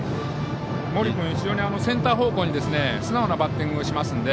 森君、非常にセンター方向に素直なバッティングしますので。